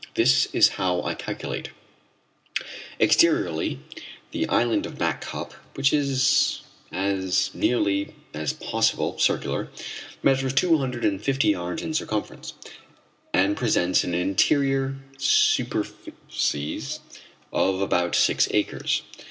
This is how I calculate: Exteriorly the island of Back Cup, which is as nearly as possible circular, measures two hundred and fifty yards in circumference, and presents an interior superficies of about six acres.